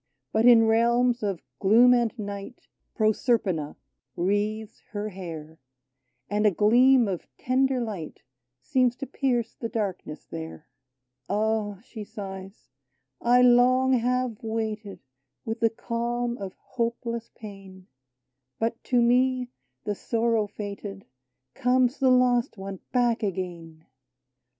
But in realms of gloom and night Proserpina wreathes her hair, And a gleam of tender light Seems to pierce the darkness there :" Ah !" she sighs, " I long have waited With the calm of hopeless pain, 32 AUTUMN But to me, the sorrow fated, Comes the lost one back again